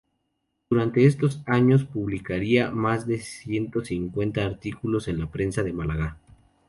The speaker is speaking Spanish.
Durante estos años publicaría más de ciento cincuenta artículos en la prensa de Málaga.